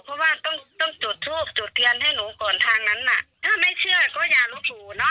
เพราะว่าต้องต้องจุดทูบจุดเทียนให้หนูก่อนทางนั้นน่ะถ้าไม่เชื่อก็อย่าลบหลู่เนอะ